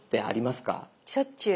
しょっちゅう。